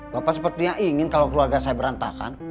bapak sepertinya ingin kalau keluarga saya berantakan